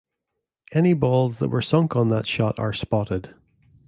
Any balls that were sunk on that shot are spotted.